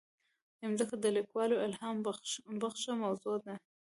مځکه د لیکوالو الهامبخښه موضوع ده.